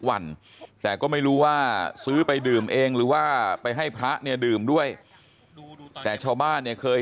วันแต่ก็ไม่รู้ว่าซื้อไปดื่มเองหรือว่าไปให้พระเนี่ยดื่มด้วยแต่ชาวบ้านเนี่ยเคย